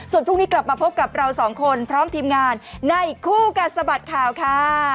ส่วนพรุ่งนี้กลับมาพบกับเราสองคนพร้อมทีมงานในคู่กัดสะบัดข่าวค่ะ